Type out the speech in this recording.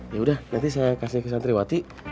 ya udah nanti saya kasih ke santriwati